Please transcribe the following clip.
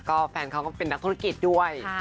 ก็แฟนเขาก็เป็นนักธุรกิจด้วย